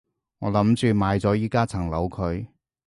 我諗住賣咗依加層樓佢